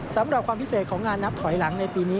สำหรับความพิเศษของงานนับถอยหลังในปีนี้